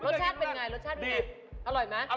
รสชาติเป็นไงรสชาติเป็นไงอร่อยไหม